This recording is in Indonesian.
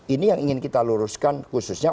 ini yang ingin kita luruskan khususnya